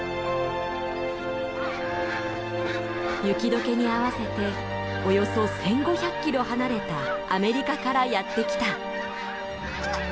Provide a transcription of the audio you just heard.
雪どけに合わせておよそ１，５００キロ離れたアメリカからやって来た。